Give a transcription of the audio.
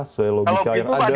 sesuai logika yang ada